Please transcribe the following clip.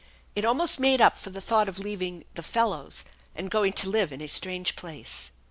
It almost made up for the thought of leaving " the fellows " and going to live in a strange place.